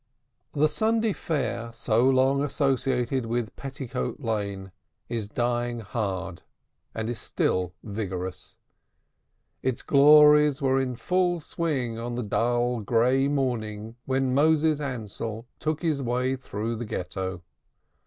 The Sunday Fair, so long associated with Petticoat Lane, is dying hard, and is still vigorous; its glories were in full swing on the dull, gray morning when Moses Ansell took his way through the Ghetto.